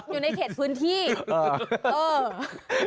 อยู่ในเขตพื้นที่